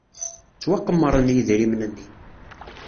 Ttwaqemmren yidrimen-nni.